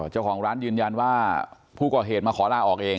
เจ้าของร้านยืนยันว่าผู้ก่อเหตุมาขอลาออกเอง